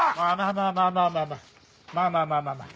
まあまあまあまあまあまあまあまあ。